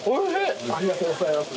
ありがとうございます。